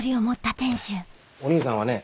お兄さんはね